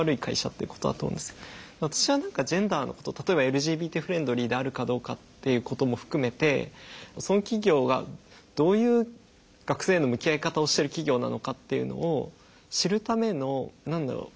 私は何かジェンダーのこと例えばＬＧＢＴフレンドリーであるかどうかっていうことも含めてその企業がどういう学生への向き合い方をしてる企業なのかっていうのを知るための何だろう